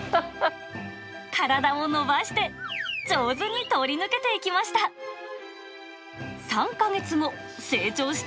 体を伸ばして、上手に通り抜けていきました。